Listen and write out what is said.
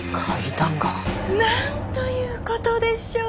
なんという事でしょう！